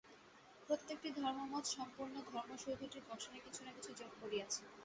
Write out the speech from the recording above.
প্রত্যেকটি ধর্মমত সম্পূর্ণ ধর্মসৌধটির গঠনে কিছু না কিছু যোগ করিয়াছে।